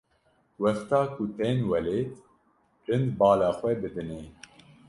wexta ku tên welêt rind bala xwe bidinê.